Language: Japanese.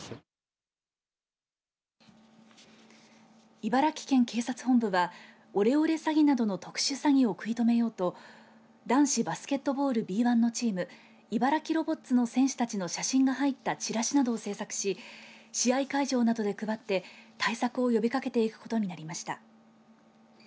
茨城県警察本部はオレオレ詐欺などの特殊詐欺を食い止めようと男子バスケットボールＢ１のチーム茨城ロボッツの選手たちの写真が入ったチラシなどを制作し試合会場などで配って対策を呼びかけていくことになりました。